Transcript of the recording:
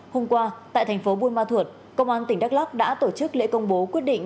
hôm qua tại thành phố buôn ma thuột công an tỉnh đắk lắc đã tổ chức lễ công bố quyết định